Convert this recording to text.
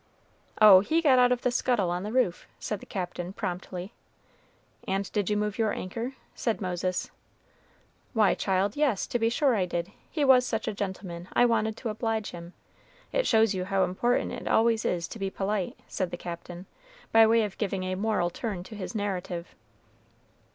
"Oh! he got out of the scuttle on the roof," said the Captain, promptly. "And did you move your anchor?" said Moses. "Why, child, yes, to be sure I did; he was such a gentleman I wanted to oblige him, it shows you how important it is always to be polite," said the Captain, by way of giving a moral turn to his narrative.